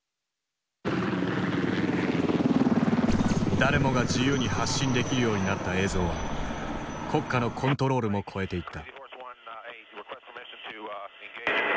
誰もが自由に発信できるようになった映像は国家のコントロールも超えていった。